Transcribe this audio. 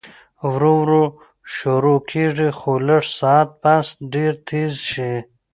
ورو ورو شورو کيږي خو لږ ساعت پس ډېر تېز شي